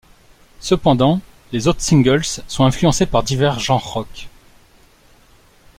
Cependant les autres singles sont influencés par divers genres rock.